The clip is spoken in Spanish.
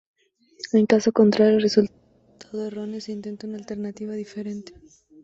En caso contrario —resultado erróneo— se intenta una alternativa diferente.